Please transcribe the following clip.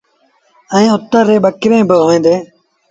ائيٚݩ اُتر ريٚݩ ٻڪريݩ با هوئين ديٚݩ۔